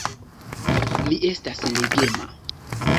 Mi estas legema.